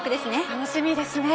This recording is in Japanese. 楽しみですね。